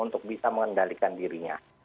untuk bisa mengendalikan dirinya